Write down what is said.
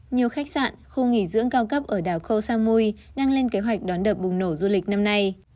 nhiều khách sạn khu nghỉ dưỡng cao cấp ở đảo khâu samui đang lên kế hoạch đón đợt bùng nổ du lịch năm nay